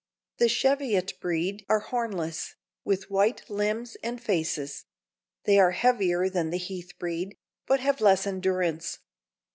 The Cheviot breed are hornless, with white limbs and faces; they are heavier than the Heath breed, but have less endurance.